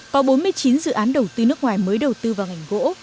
có bốn mươi chín dự án đầu tư nước ngoài mới đầu tư vào ngành gỗ